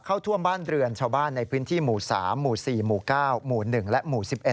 เข้าท่วมบ้านเรือนชาวบ้านในพื้นที่หมู่๓หมู่๔หมู่๙หมู่๑และหมู่๑๑